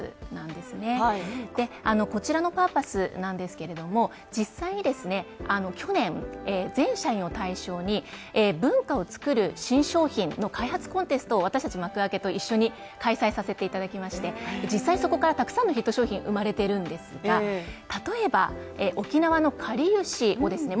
はいこちらのパーパスなんですけれども実際にですね、去年、全社員を対象に文化を創る新商品の開発コンテスト私達マクアケと一緒に開催させていただきまして実際そこからたくさんのヒット商品生まれてるんですが例えば沖縄のかりゆしをですね